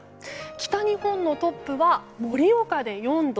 北日本のトップは盛岡で４度。